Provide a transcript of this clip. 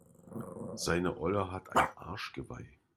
Seine Olle hat ein Arschgeweih.